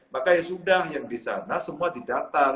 makanya sudah yang di sana semua didatar